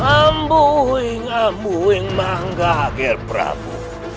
ambuing ambuing mengagil prabu